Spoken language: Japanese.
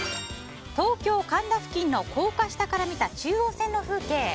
東京・神田付近の高架下から見た中央線の風景。